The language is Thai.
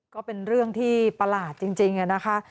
ก็เป็นเรื่องที่ประหลาดจริงนะคะ